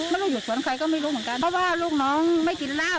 ไม่รู้อยู่สวนใครก็ไม่รู้เหมือนกันเพราะว่าลูกน้องไม่กินเหล้า